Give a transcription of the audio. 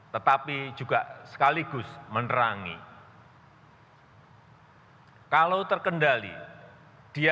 tetapi juga terjadi